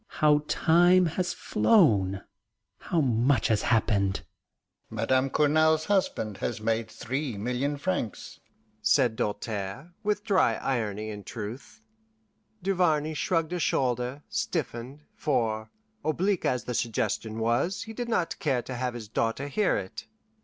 "How time has flown! How much has happened!" "Madame Cournal's husband has made three million francs," said Doltaire, with dry irony and truth. Duvarney shrugged a shoulder, stiffened; for, oblique as the suggestion was, he did not care to have his daughter hear it.